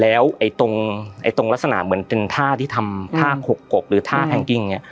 แล้วไอ้ตรงไอ้ตรงลักษณะเหมือนเป็นท่าที่ทำท่าขกกกหรือท่าแพงกิ้งอย่างเงี้ย